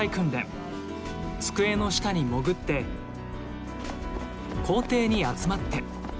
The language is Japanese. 机の下にもぐって校庭に集まって。